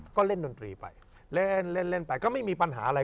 ก็เล่นดนตรีไปเล่นเล่นไปก็ไม่มีปัญหาอะไร